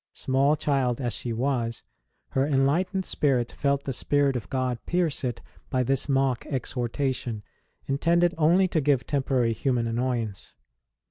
Small child as she was, her enlightened spirit felt the Spirit of God pierce it by this mock exhortation, intended only to give temporary human annoyance.